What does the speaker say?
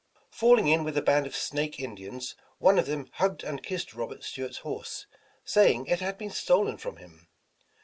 Falling in with a band of Snake Indians, one of them hugged and kissed Robert Stuart's horse, saying it had been stolen from him.